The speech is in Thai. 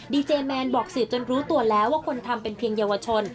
ดีเจแมนบอกสื่อจนรู้ตัวแล้วว่าคนทำเป็นเพียงเยาวชน